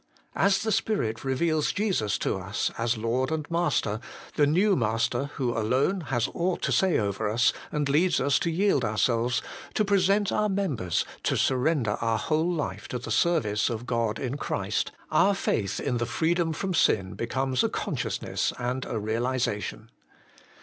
As the Spirit reveals Jesus to us as Lord and Master, the new Master, who alone has ought to say over us, and leads us to yield ourselves, to present our members, to surrender our whole life to the service of God in Christ, our faith in the freedom from sin becomes a consciousness and a realization.